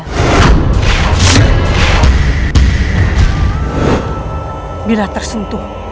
ketika dia tersentuh